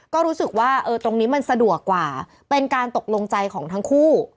ก็รู้สึกว่าตรงนี้มันสะดวกกว่าเป็นการตกลงใจของทั้งคู่